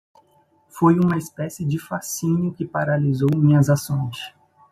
Foi uma espécie de fascínio que paralisou minhas ações.